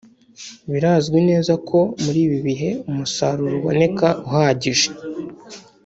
Birazwi neza ko muri ibi bihe umusaruro uboneka uhagije